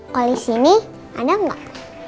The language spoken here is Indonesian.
kalau di sini ada nggak